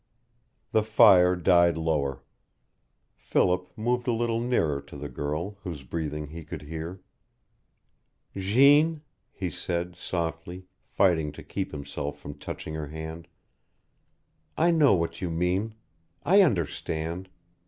The fire died lower. Philip moved a little nearer to the girl, whose breathing he could hear. "Jeanne," he said, softly, fighting to keep himself from touching her hand, "I know what you mean I understand.